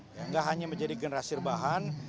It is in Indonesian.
tidak hanya menjadi generasi rebahan